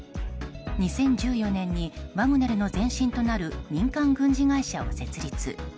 ２０１４年にワグネルの前身となる民間軍事会社を設立。